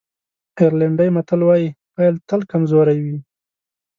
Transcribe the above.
آیرلېنډی متل وایي پيل تل کمزوری وي.